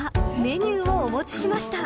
メニューをお持ちしました］